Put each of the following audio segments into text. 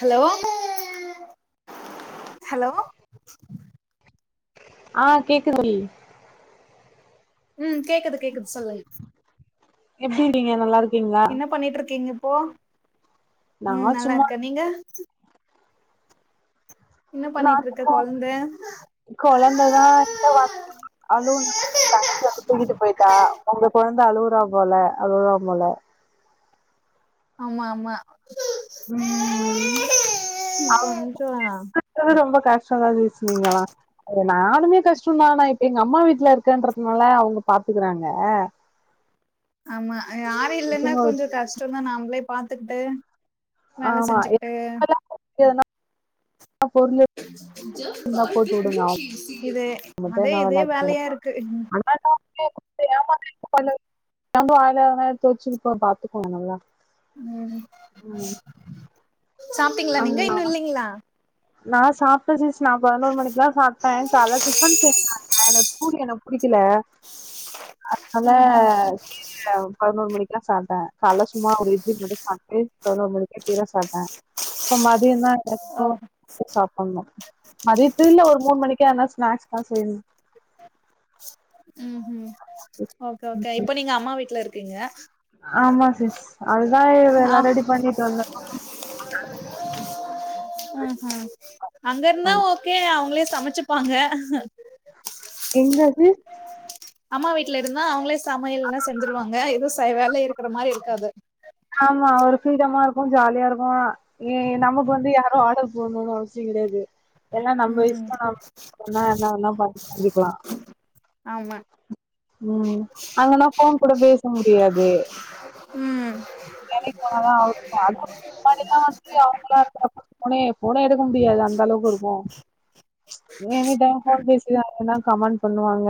Hello hello ஆ கேக்கு தோழி ம் கேக்குது கேக்குது சொல்லு எப்டி இருக்கீங்க நல்லா இருக் என்ன பண்ணிட்ருக்கீங்க இப்போ நா ம் நல்லா சும்மா இருக்க நீங்க என்ன நா பண்ணிட்ருக்க சும்மா கொழந்த கொழந்ததா ரொம்ப [unintelligible] அலு பாப்பாவ தூக்கிட்டு போய்ட்டா ஒங்க கொழந்த அழுவுரா போல அழுவரா போல ஆமா ஆமா ம் கொஞ்சோ து ரொம்ப கஷ்டமா இச்சுன்னீங்களா ஒரு நாளுமே கஷ்டந்தா ஆனா இப்ப எங்க அம்மா வீட்ல இருக்கன்றதுனால அவங்க பாத்துக்குறாங்க ஆமா யாரு இல்லன்னா தூங்க வச்சு கொஞ்சோ கஷ்டோந் தா நாம்ளே பாத்துக்கிட்டு வேல ஆமா செஞ்சுக்கிட்டு ஆ பொருளு இதே அதே இதே வேலையா இருக்கு அதா அதா எடுத்து வச்சிருக்க பாத்துக்கோ நல்லா ம் ம் சாப்டிங்களா நீங்க ஆமா இன்னு இல்லைங்களா நா சாப் ட சிஸ் நா பதினோரு மணிக்குதா சாப்ட்ட காலை டிஃபன் செஞ்சாங்க எனக்கு பூரி எனக்கு புடிக்கல ஆ அல ஆஹா ப பதினோரு மணிக்கெல்லா சாப்ட்ட கால்ல சும்மா ஒரு இட்லி மட்டு சாப்ட்டு பதினோரு மணிக்கே இதுதா சாப்ட்ட இப்ப மதியனா ஓ எப்போ சாப்பட்ணு மதியத்துல ஒரு மூணு மணிக்கா என்னா ஸ்நாக்ஸ் தா செய்யணு ம்ஹூ ஓகே ஓகே இப்போ நீங்க அம்மா வீட்ல இருக்கீங்க ஆமா சிஸ் அதுதா இவ்ளோ ஆ நா ரெடி பண்ணிட்டு வந்த ம் ஹு அங்க இருந்தா ஓகே அவங்களே சமைச்சுப்பாங்க எங்கது அம்மா வீட்ல இருந்தா அவங்களே சமையல்லா செஞ்சுருவாங்க எதுவு செய வேல இருக்கிற மாரி இருக்காது ஆமா ஒரு ஃப்ரீடமா இருக்கு ஜாலியா இருக்கு ஏ நமக்கு வந்து யாரு ஆர்டர் போட்ணுன் அவசிய கெடையாது எல்லா நம்ம ம் இஷ்ட நம்ம என்னவேனா வேனா பண்ணிக்கலா ஆமா ம் அங்கனா ஃபோன் கூட பேச முடியாது ம் வேலைக்கு போனதா அவருக்கு கால் முன்னாடிலா வந்துட்டு அவங்களா இருக்கிறப்போ ஃபோனே ஃபோனே எடுக்க முடியாது அந்த அளவுக்கு இருக்கு எங்கிட்டல்லா ஃபோன் பேசினாங்கன்னா கமெண்ட் பண்ணுவாங்க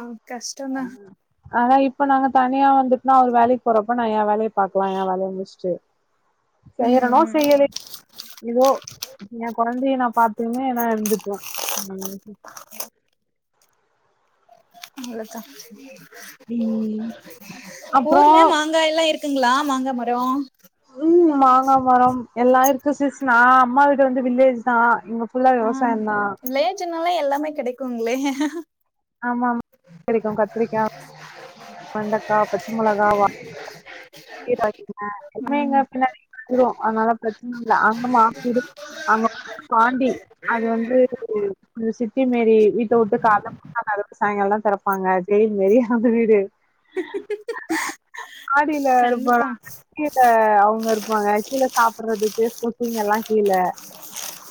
அ கஷ்டதா ஆனா இப்ப நாங்க தனியா வந்துட்ன்னா அவர் வேலைக்கு போறப்ப நா என் வேலைய பாக்கலா என் வேலைய முடுச்ட்டு செய்யறனோ செய்யலையோ எதோ என் கொழந்தைய நா பா்த்துகுனு நா இருந்துக்லா ம் ஹூ அவ்ளதா ம் அப்றோ ஊர்ல மா மாங்காய்ல்லா இருக்குங்ளா மாங்கா மரோ ம் மாங்கா மரம் எல்லா இருக்கு சிஸ் நா அம்மா வீடு வந்து வில்லேஜ் நா இங்க ஃபுல்லா விவசாய தா வில்லேஜ்நாலே எல்லாமே கெடைக்குங்ளே ஆமாமா கெடைக்கு கத்திரிக்கா வெண்டக்கா பச்ச மொளகா வா எதாதுங்க ம் நீங்க பின்னாடி வந்ரு அதனால பிரச்சனல்ல அங்க மாமிவீடு அவங்க வந்து பாண்டி அது வந்து சிட்டி மேரி விட்டு விட்டு கால்ல அதோட சாய்ங்காலதா தெறப்பாங்க ப்பாங்க ஜெயில் மாரி அந்த வீடு ஆடி கண்டிப்பா கீழ அவங்க இருப்பாங்க கீழே சாப்றதுக்கு ஸ்குக்கிங்கலா கீழ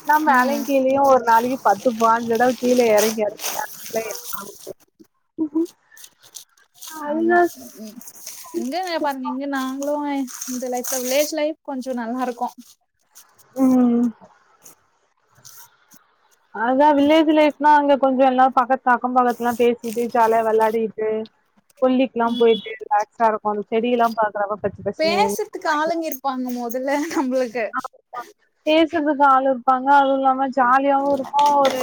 நா மேல ம் கீழய ஒரு நாளைக்கு பத்து பாஞ்தடவ கீழே இறங்கி [inaudible] அதுதா ஆமா ம் இங்கவே பாருங்க இங்கலா நாங்களு இந்த லைஃப்ல வில்லேஜ் லைஃப் கொஞ்சோ நல்லாருக்கு ம் அதுதா வில்லேஜ் லைஃப்னா அங்க கொஞ்சோ எல்லாரு பக்கத்து அக்க பக்கத்துலலா பேசிட்டு ஜாலியா விளாடிட் து கொல்லிக்லா போய்ட்டு ரிலாக்ஸா இருக்கு அந்த செடியெல்லா பாக்குறப்ப பச்ச பசேல் காலங்கிர் பண்ணு போதுல நம்மளுக்கு பேசறதுக்கு ஆள் இருப்பாங்க அதுவு இல்லாம ஜாலியாவு இருக்கு ஒரு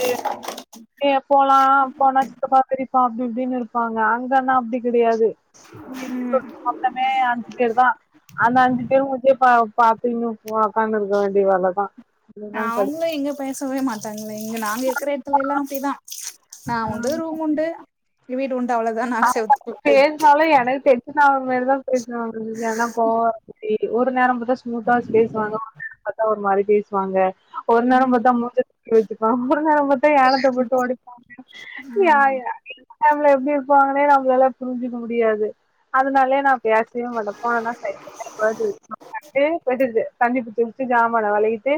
ஏ போலா போனா சித்தப்பா பெரிப்பா அப்டி இப்டின்னு இருப்பாங்க அங்கனா அப்டி கெடையாது முழிப்பு மொத்தமே அஞ் அஞ்சு பேர் தா அந்த அஞ்சு பேரு மூஞ்சிய பா பாத்துன்னு உக்காந்திருக்க வேண்டிய வேலதா அதுதா கடுப் அவங்களு எங்க பேசவே மாட்டாங்ளே இங்க நாங்க இருக்குற எடத்துலல்லா அப்டிதா நா உண்டு ரூமுண்டு வீடு உண்டு அவ்ளோதா நா பாப்பாக்கு செவுத்துக்கு பேர் னாலு எனக்கு டென்ஷன் ஆகுற மாரிதா பேசுவாங்க எதுன்னா கோவம் வர மாரி ஒரு நேரம் பாத் ஸ்மூத்தா பேசுவாங்க பாத்தா ஒரு நேரம் பாத்தா ஒரு மாரி பேசுவாங்க ஒரு நேரம் பாத்தா மூஞ்ஜ தூக்கி வெச்சுப்பா ஒரு நேரம் பாத்தா ஏனத்த போட்டு ஒடைப்பா [inaudible] எப்டி இருப்பாங்கன்னே நம்மளாலா புரிஞ்சுக்க முடியாது அதனாலே நா எப்பயாச்சு போனனா [inaudible] ஜாமான வெளகிட்டு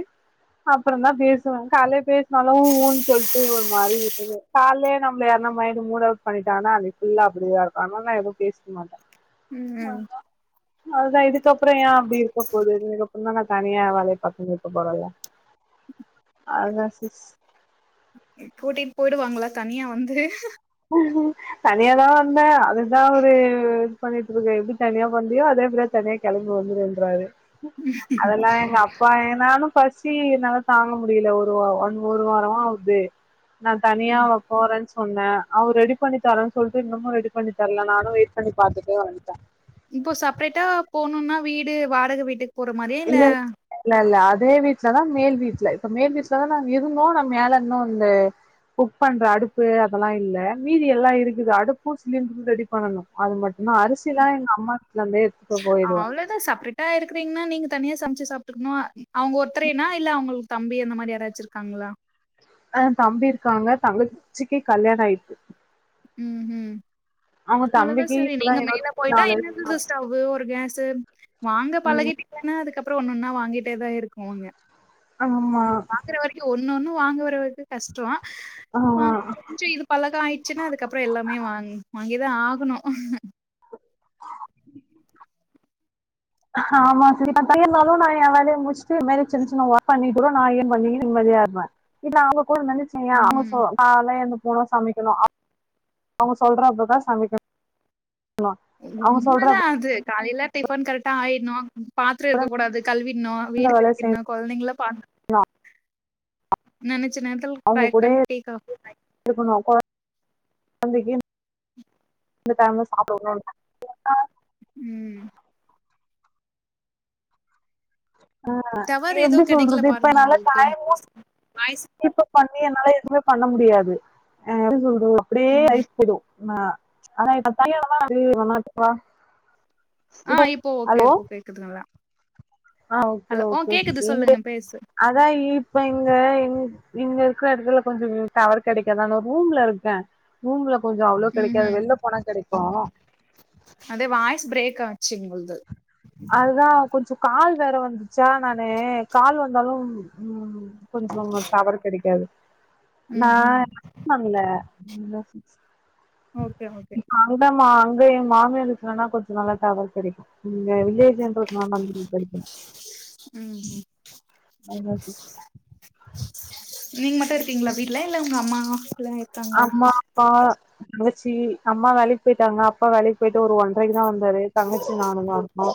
அப்புறந்தா பேசுவே கால்லே பேச னாலு ஊன்னு சொல்ட்டு ஒரு மாரி விட்டது கால்லே நம்ம யார்னா மூட அவுட் பண்ணிட்டா டானா அன்னிக்கு ஃபுல்லா அப்படிதா இருக்கு அதனால எதுவு பேசிக்க மாட்டே ம் அதுதா இதுக்கப்றோ ஏ அப்டி இருக்க போகுது இதுக்கப்றோ தா நா தனியா ஏ வேலைய பாத்துன்னு இருக்க போறல அதா சிஸ் கூட்டிட்டு போயி்டுவாங்களா தனியா வந்து தனியாதா வந்தே அதுதா அவரு இது பண்ணிட்டு இருக்க எப்டி தனியா வந்தியோ அதே மாரி தனியா கெளம்பி வந்துருன்றாரு அதெல்லா எங்க அப் னாலு பசி என்னாலா தாங்க முடில ஒரு ஒன் ஒரு வாரமா ஆகுது நா தனியா போறேன்னு சொன்னே அவரு ரெடி பண்ணி தரேன்னு சொல்ட்டு இன்னமு ரெடி பண்ணி தரல நானு வெயிட் பண்ணி பாத்துட்டே வன்டே இப்போ சப்ரேட்டா போணுனா வீடு வாடக வீட்டுக் இல்லங் இல்லல்ல அதே வீட்லதா மேல் வீட்ல இப்ப மேல் வீட்லதா நாங்க இருந்தோ ஆனா மேல இருந்து வந்து குக் பண்ற அடுப்பு அதெல்லா இல்ல மீதி எல்லா இருக்குது அடுப்பு சிலிண்டரு ரெடி பண்ணணு அது மட்டுந்தா அரிசிலா எங்க அம்மா வீட்ல இருந்தே எடுத் அவ்ளோதா சப்ரேட் டா இருக்கிறீங்கன்னா நீங்க தனியா சமச்சு சாப்டுக்கணு அவங்க ஒருத்தரேனா இல்ல அவங்களுக்கு தம்பி அந்த மாரி யாராச்சு இருக்காங்ளா ஆ தம்பி இருக்காங்க தங்கச்சிக்கு கல்யாண ஆயிட்டு ம் ம் அவங்க அவ்ளோதா தம்பிக்கு செரி இப்பதா நீங்க மேல இருவத்தி போயிட்டா நாலு என்னது வயசு ரிஸ் ஸ்டவ்வு ஒரு கேசு வாங்க ஆகுது. பழகிட்டிங்கன்னா அதுக்கப்றோ ஒன்னொன்னா வாங்கிட்டே தா இருக்குவாங்க ஆமா வாங்கற வரைக்கு ஒன்னொன்னு வாங்குற வரைக்கு கஷ்டோ ஆ கொஞ்சோ இது பழக ஆயிடுச்சுன்னா அதுக்கப்றோ எல்லாமே வாங் வாங்கிதா ஆகணு ஆமா [unintelligible] இருந்தாலு நா ஏ வேலயறய முடிச்சுட்டு சின்ன சின்ன பண்ணிட்டு நா ஏ பண்ணிகினு நிம்மதியா இருப்பே இல்ல அவுங்க கூட இருந்து வெச்சியா அவுங்க ம் சோ கால்ல எழுந்துக்கனு சமைக்கணு அவுங்க சொல்றததா சமைக்கணு அவங்க உண்மதா சொல்றப்ப அது காலையில டிஃபன் கரெக்டா ஆயிடணு பாத்திரோ இருக்கக்கூடாது கழுவிடனு இந்த வீடு வேலைய பெருக்கிட்னு செய்யணு கொழந்தைங்கள பாத் நெனைச்ச அவங்க நேரத்தில கூடயே [unintelligible] டீ காஃபி இருக்கணு அப்பதா கொழந்தைக்கு இந்த டைம்ல சாப்ட கூட [inaudible] ம் ஆ டவர் எதோ எப்டி கெடைக்கல சொல்றது இப்ப பாருங்க நல்லா உங்களுக்கு டைமு வாய்ஸ் இப்ப பண்ணி என்னால எதுமே பண்ண முடியாது ஆ எப்டி சொல்றது அப்டியே ம் லைஃப் போயிடு [unintelligible] ஆ அது இப்போ ஓகே ஹலோ இப்போ கேக்குது நல்லா ஆ ஓகே ஹலோ ஓ ஓகே கேக்குது சிஸ்டர் எங்க சொல்லுங்க பேசு அதா இப்ப இங்க இங் நீங்க இருக்குற எடத்துல கொஞ்சோ டவர் கெடைக்காதா நானு ரூம்ல இருக்கே ரூம்ல கொஞ்சோ அவ்வளவா ம் கெடைக்காது ம் வெளில போனா கெடைக்கு அதே வாய்ஸ் பிரேக் ஆச்சு உங்கள்து அதுதா கொஞ்சோ கால் வேற வந்துச்சா நானு கால் வந்தாலு ம் கொஞ்சோ டவர் கெடைக்காது நா ம் ம் [inaudible] பண்ல இல்லா சிஸ் ஓகே ஓகே அங்க மா அங்க ஏ மாமியார் வீட்லனா கொஞ்சோ நல்லா டவர் கெடைக்கு ம் வில்லேஜ்ஜுன்றதுனால அங்கிருண்து கெடைக்கு ம் [unintelligible] நீங்க மட்டு இருக்கீங்களா வீட்ல இல்ல உங்க அம்மா எல்லா இருக்காங்களா அம்மா அப்பா தங்கச்சி அம்மா வேலைக்கு போயிட்டாங்க அப் பா வேலைக்கு போயிட்டு ஒரு ஒன்றரைக்கு தா வந்தாரு தங்கச்சி நானு தா இருக்கோ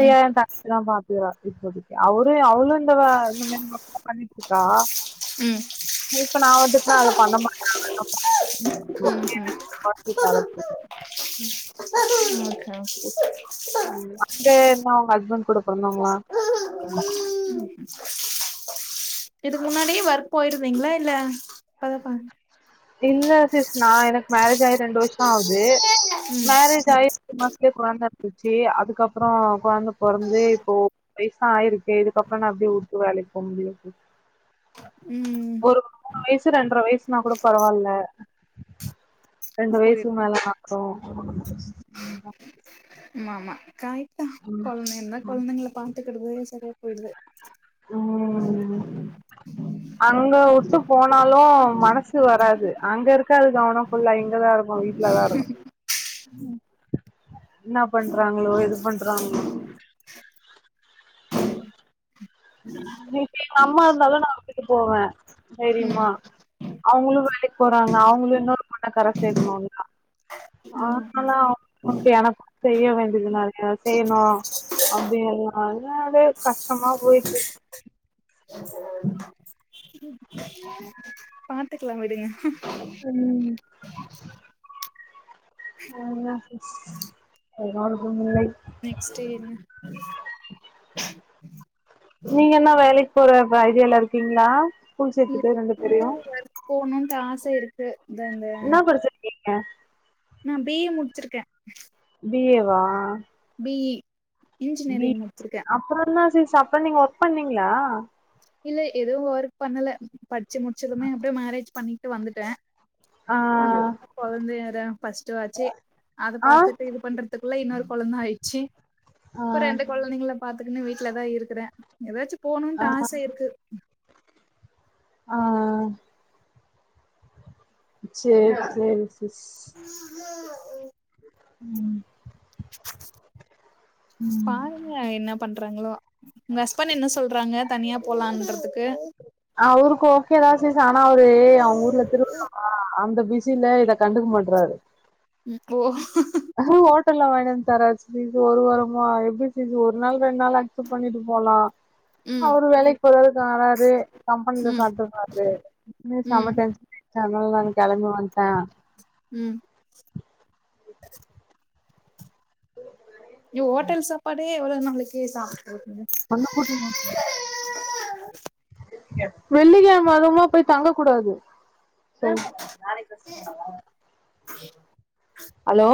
ம் ஏ தங்கச்சி தா பாத்துக்குறா இப்போதைக்கு அவரு அவரு ஆக்சுவாலா இந்த மாரி இந்த வெர்க்தா பண்ணிட்டு இருக்கா ம் இப்ப நா வந்துட்டா அது பண்ண மா ம்கும் ம் ஆ அங்க என்ன உங்க ஹஸ்பண்ட் கூட பொறந்தவுங்களா ம் இதுக்கு முன்னாடி ஒர்க் போயிருந்தீங்களா இல்ல இப்பதா இல்ல சிஸ் நா எனக்கு மேரேஜ் ஆயி ரெண்டு வருஷோ ஆவுது மேரேஜ் ஆயி ஒரு மாசத்துலயே கொழந்த வந்துருச்சு அதுக்கப்புறோ கொழந்த பொறந்து இப்போ வயசு ஆயிருக்கே இதுக்கப்புறோ நா எப்டி வுட்டு வேலைக்கு போக முடியு ம் ஒரு மூணு வயசு ரெண்ட்ர வயசுனா கூட பரவால்ல ரெண்டு ம் போயி வயசுக்கு மேலனா ஓஹோ ஆமா ஆமா கரெட்டுதா கொழந்தைங்க இருந்தா கொழந்தைங்க பாத் த்துக்கடதே சரியா போயிடுது ம் அங்க வுட்டு போனாலு மனசு வராது அங்க இருக்காது கவனோ ஃபுல்லா இங்கதா இருக்கு வீட் டிலதா இருக்கு என்ன பண்றாங்களோ ஏது பண்றாங்களோ இன்னைக்கி எங்க அம்மா இருந்தாலு நா விட்டுட்டு போவே ம் தைரியமா அவங்களு வேலைக்கு போறாங்க அவங்களு இன்னொரு பொண்ண கர சேக்கணு ஆமா ஆனாலா [inaudible] எனக்கு செய்ய வேண்டியதுலா இருக்க செய்யணு அப்டியெல்லாமேவே கஷ்டமா போயிட்டு இருக்கு பாத்துக்கலா விடுங்க ம் அவ்ளதா சிஸ் என்னோட சூழ்நிலை நெக்ஸ்ட் என்ன நீங்க என்ன வேலைக் போறப்ப ஐடியால்லா இருக்கீங்களா ஸ்கூல் சேத்துட்டு ரெண்டு பேரையு போணுன்டு ஆச இருக்கு இந்த இந்த என்னா படிச்சிருக்கீங்க நா பி ஏ முடிச்சிருக்கே பி ஏ வா பி இ இன்ஜினியரிங் வீட் முடிச்சிருக்கே அப்புற தா சிஸ் அப்ப நீங்க ஒர்க் பண்ணீங்ளா இல்ல எதுவு ஒர்க் பண்ணல படிச்சு முடிச்சதுமே அப்டியே மேரேஜ் பண்ணிட்டு வந்துட்டே ஆ வந்ததுப்பா கொழந்தயத ஃபர்ஸ்ட்டு ஆச்சு அத ஆ பாத்துட்டு இது பண்ற த்துக்குள்ள இன்னொரு கொழந்த ஆயிச்சு ஆ இப்ப ரெண்டு கொழந்தைங்கள பாத்துக்குனு வீட்டுலதா இருக்கறே ஏதாச்சு போணுண்டு ஆ ஆச இருக்கு ஆ சேரி சேரி சிஸ் ம் பாருங்க என்ன பண்றாங்களோ உங்க ஹஸ்பன்ட் என்ன சொல்றாங்க தனியா போலான்றதுக்கு அவருக்கு ஓகே தா சிஸ் ஆனா அவரு அவுங் ஊர்ல திருமணமா அந்த பிசில இத கண்டுக்க மாட்றாரு ம் ஓ ஹோட்டல்ல வாங்கினு வந்து தராரு சிஸ் இந்த ஒரு வாரமா எப்டி சிஸ் ஒரு நாள் ரெண்டு நாள் ஆச் பண்ணீட்டு போலா ம் அவரு வேலைக் போறாரு வாராரு கம்பெனில ம் சாப்ட்டுறாரு செம ம் டென்ஷன் அத்னால நானு கெளம்பி வண்டே ம் [unintelligible] இவ் ஹோட்டல் சப்பாடே எவ்ளோ நாளைக்கு சாப்பிட்ருப்பீங்க பண்ண மட்டிங்கோ வெள்ளிக்கெழம அதுமா போய் தங்க கூடாது ஹலோ